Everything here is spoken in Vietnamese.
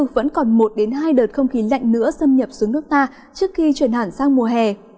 vẫn còn một hai đợt không khí lạnh nữa xâm nhập xuống nước ta trước khi chuyển hẳn sang mùa hè